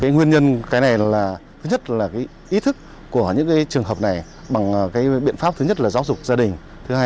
nguyên nhân thứ nhất là ý thức của những trường hợp này bằng biện pháp giáo dục gia đình